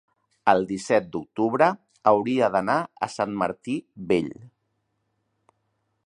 el disset d'octubre hauria d'anar a Sant Martí Vell.